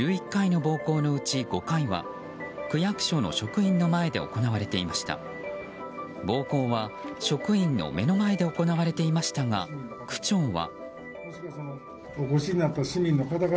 暴行は職員の目の前で行われていましたが、区長は。